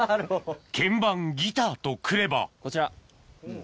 鍵盤ギターと来ればこちら。